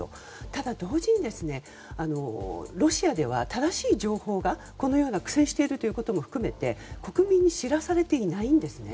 ただ、同時にロシアでは正しい情報がこのような苦戦しているということも含めて国民に知らされていないんですね。